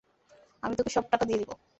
আমি তোকে সব টাকা দিয়ে দেব।